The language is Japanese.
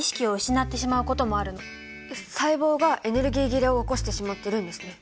細胞がエネルギー切れを起こしてしまってるんですね。